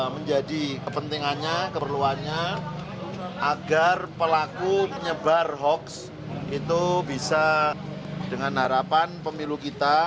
menjadi kepentingannya keperluannya agar pelaku penyebar hoax itu bisa dengan harapan pemilu kita